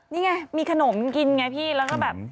นี่ไงมีขนมกินไงพี่แล้วก็แบบ